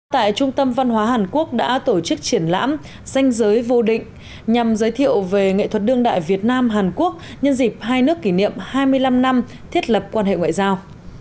tại trung tâm văn hóa hàn quốc đã tổ chức triển lãm danh giới vô định nhằm giới thiệu về nghệ thuật đương đại việt nam hàn quốc nhân dịp hai nước kỷ niệm hai mươi năm năm thiết lập quan hệ ngoại giao